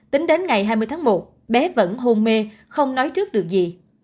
tính đến ngày hai mươi tháng một bé vẫn hôn mê không nói trước được gì